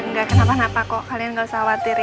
enggak kenapa napa kok kalian gak usah khawatir ya